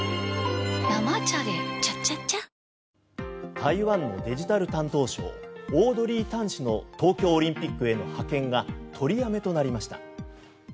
台湾のデジタル担当相オードリー・タン氏の東京オリンピックへの派遣が取りやめとなりました。